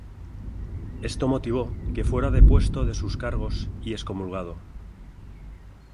Esto motivó que fuera depuesto de sus cargos y excomulgado.